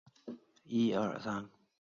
治所在今云南昆明市西郊马街。